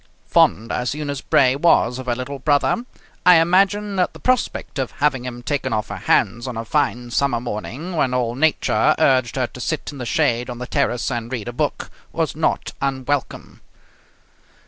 Fond as Eunice Bray was of her little brother, I imagine that the prospect of having him taken off her hands on a fine summer morning, when all nature urged her to sit in the shade on the terrace and read a book, was not unwelcome.